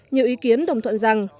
nhiều ý kiến đồng thuận rằng